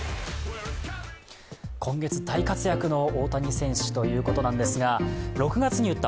今月大活躍の大谷選手ということなんですが６月に打った